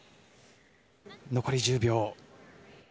残り１０秒。